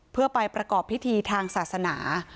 เพื่อไปประกอบพิธีทางศาสนา